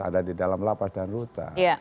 ada di dalam lapah dan lutan